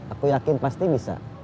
aku yakin pasti bisa